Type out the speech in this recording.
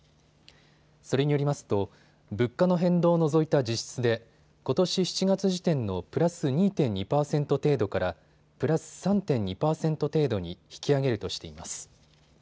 それによりますと物価の変動を除いた実質でことし７月時点のプラス２．２％程度からプラス３．２％程度に引き上げるとしています。